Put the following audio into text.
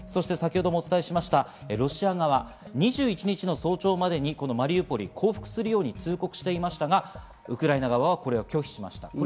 先ほどお伝えしましたロシア側、２１日の早朝までに、マリウポリ降伏するように通告していましたが、ウクライナ側は拒否しました。